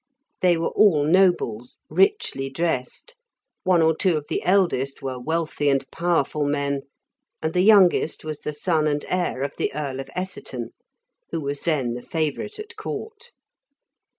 They were all nobles, richly dressed; one or two of the eldest were wealthy and powerful men, and the youngest was the son and heir of the Earl of Essiton, who was then the favourite at Court.